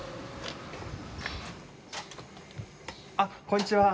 あっこんにちは。